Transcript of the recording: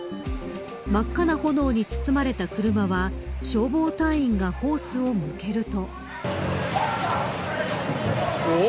真っ赤な炎に包まれた車は消防隊員がホースを向けると。